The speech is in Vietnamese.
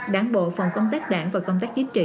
đảng bộ phòng công tác đảng và công tác chính trị